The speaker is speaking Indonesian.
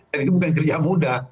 dan itu bukan kerja mudah